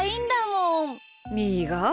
みーが？